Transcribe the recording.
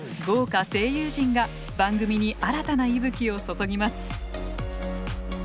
豪華声優陣が番組に新たな息吹を注ぎます。